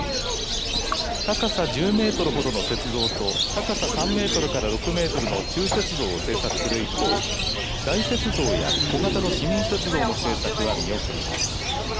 高さ１０メートルほどの雪像と高さ３メートルから６メートルの中雪像を制作する一方大雪像や小型の市民雪像の制作は見送ります。